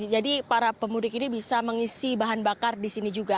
jadi para pemudik ini bisa mengisi bahan bakar di sini juga